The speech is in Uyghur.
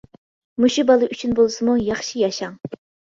مۇشۇ بالا ئۈچۈن بولسىمۇ ياخشى ياشاڭ.